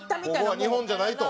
ここは日本じゃないと。